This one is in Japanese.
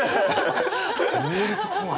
見えると怖い。